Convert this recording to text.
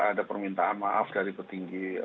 ada permintaan maaf dari petinggi